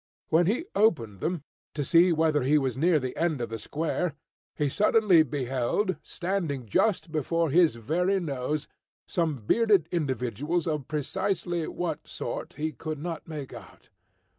When he opened them, to see whether he was near the end of the square, he suddenly beheld, standing just before his very nose, some bearded individuals of precisely what sort, he could not make out.